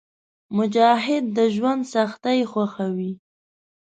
مجاهد د ژوند سختۍ خوښوي.